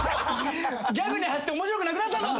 ギャグに走って面白くなくなったぞ。